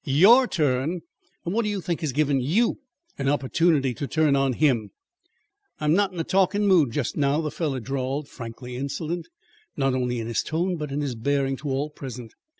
YOUR turn! And what do you think has given YOU an opportunity to turn on HIM?" "I'm not in the talkin' mood just now," the fellow drawled, frankly insolent, not only in his tone but in his bearing to all present.